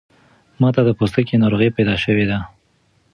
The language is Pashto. ماته د پوستکی ناروغۍ پیدا شوی ده